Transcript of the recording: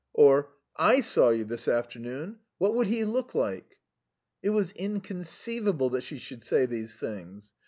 Or 'I saw you this afternoon.' What would he look like?" It was inconceivable that she should say these things.